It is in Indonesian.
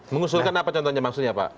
mengusulkan apa contohnya maksudnya pak